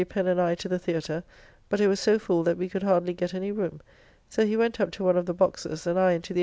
Pen and I to the Theatre, but it was so full that we could hardly get any room, so he went up to one of the boxes, and I into the 18d.